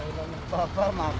ini lagi jangan lah